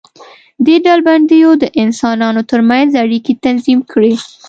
دې ډلبندیو د انسانانو تر منځ اړیکې تنظیم کړې.